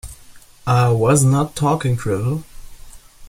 I was not talking drivel.